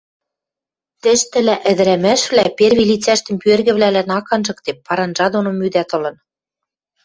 Тӹштӹлӓ ӹдӹрӓмӓшвлӓ перви лицӓштӹм пӱэргӹвлӓлӓн ак анжыктеп, паранджа доно мӱдӓт ылын.